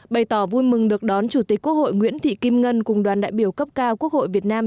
bày tỏ vui mừng được đón chủ tịch quốc hội nguyễn thị kim ngân cùng đoàn đại biểu cấp cao quốc hội việt nam